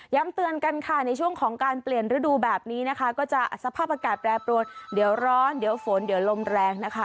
เตือนกันค่ะในช่วงของการเปลี่ยนฤดูแบบนี้นะคะก็จะสภาพอากาศแปรปรวนเดี๋ยวร้อนเดี๋ยวฝนเดี๋ยวลมแรงนะคะ